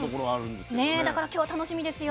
だから今日は楽しみですよ。